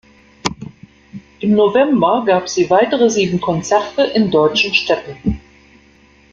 Im November gab sie weitere sieben Konzerte in deutschen Städten.